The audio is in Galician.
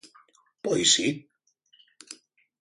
¡Pois si!